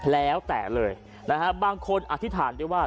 แล้วแต่เลยนะฮะบางคนอธิษฐานได้ว่า